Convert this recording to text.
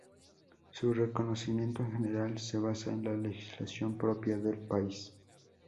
Su reconocimiento, en general, se basa en la legislación propia del país.